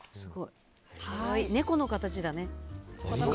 猫の形だね。